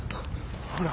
ほら。